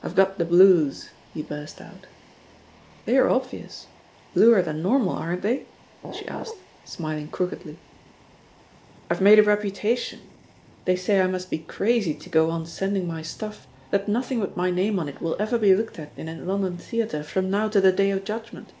"I've got the blues I" he burst out. "They're obvious. ... Bluer than norma], aren't they?" she asked, smiling crookedly. "I've made a reputation! They say I must be crazy to go on sending my stuff, that nothing with my name on it will ever be looked at in a London theatre from now to the Day of Judg ment.